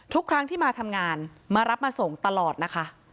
ทุกครั้งที่มาทำงานมารับมาส่งตลอดนะคะ